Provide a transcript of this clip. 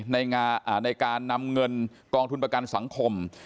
ในการนำเงินกองทุนประกันสังคม